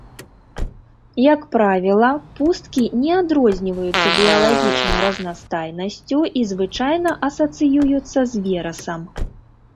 Як правіла, пусткі не адрозніваюцца біялагічнай разнастайнасцю і звычайна асацыююцца з верасам.